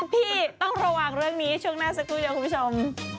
พี่ต้องระวังเรื่องนี้ช่วงหน้าสักครู่เดียวคุณผู้ชม